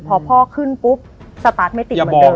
พอพ่อขึ้นปุ๊บสตาร์ทไม่ติดเหมือนเดิ